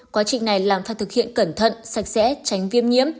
quá trình này làm phải thực hiện cẩn thận sạch sẽ tránh viêm nhiễm